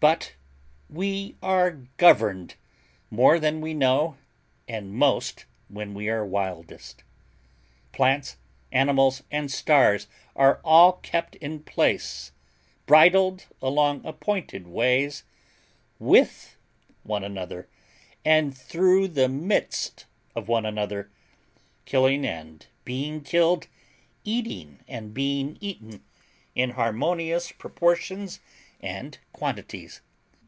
But we are governed more than we know, and most when we are wildest. Plants, animals, and stars are all kept in place, bridled along appointed ways, with one another, and through the midst of one another—killing and being killed, eating and being eaten, in harmonious proportions and quantities.